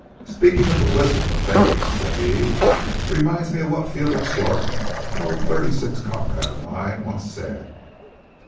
"Speaking of the wisdom of babes," said he, "reminds me of what Felix York, an old '36 comrade of mine, once said.